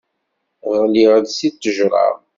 Ɣliɣ-d seg ttejra.